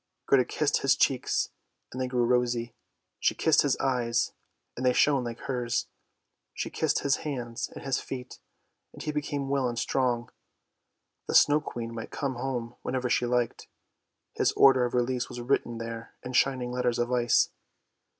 Gerda kissed his cheeks and they grew rosy, she kissed his eyes and they shone like hers, she kissed his hands and his feet, and he became well and strong. The Snow Queen might come home whenever she liked, his order of release was written there in shining letters of ice.